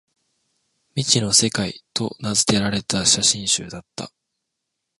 「未知の世界」と名づけられた写真集だった